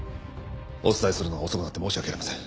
お伝えするのが遅くなって申し訳ありません。